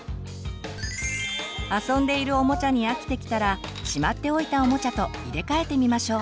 遊んでいるおもちゃに飽きてきたらしまっておいたおもちゃと入れ替えてみましょう。